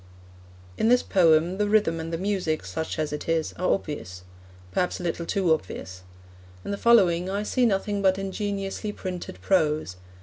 In this poem, the rhythm and the music, such as it is, are obvious perhaps a little too obvious. In the following I see nothing but ingeniously printed prose.